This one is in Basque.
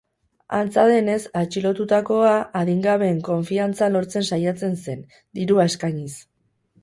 Antza denez, atxilotutakoa adingabeen konfiantza lortzen saiatzen zen, dirua eskainiz.